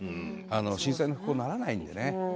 震災の復興にならないのでね。